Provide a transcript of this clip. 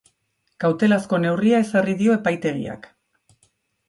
Kautelazko neurria ezarri dio epaitegiak.